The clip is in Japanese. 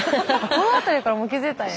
この辺りからもう気付いたんや。